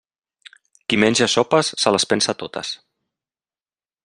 Qui menja sopes se les pensa totes.